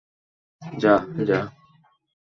যা, যা।